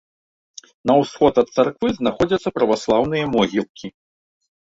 На ўсход ад царквы знаходзяцца праваслаўныя могілкі.